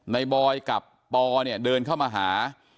บอยกับปอเนี่ยเดินเข้ามาหา